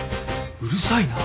うるさいな？